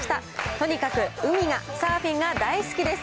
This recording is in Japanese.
とにかく海が、サーフィンが大好きです。